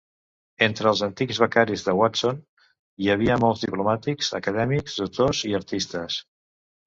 Entre els antics Becaris de Watson hi havia molts diplomàtics, acadèmics, doctors i artistes.